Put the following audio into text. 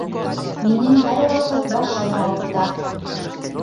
Минең һәр ваҡыт башым ауырта